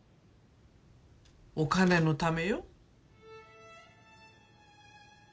お金のためよ。